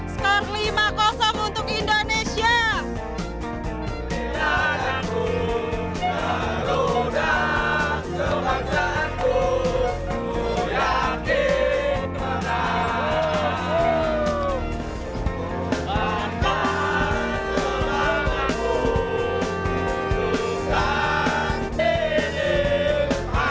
skor lima untuk indonesia